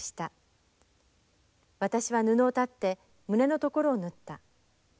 私は布を裁って胸のところを縫った。